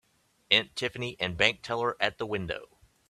Aunt Tiffany and bank teller at the window.